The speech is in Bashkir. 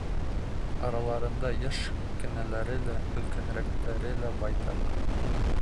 Араларында йәш кенәләре лә, өлкәнерәктәре лә байтаҡ.